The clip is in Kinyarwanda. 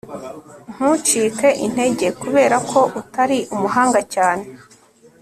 ntucike intege kubera ko utari umuhanga cyane